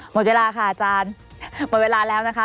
หมดเวลาค่ะอาจารย์หมดเวลาแล้วนะคะ